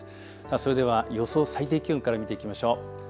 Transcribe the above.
それでは予想最低気温から見ていきましょう。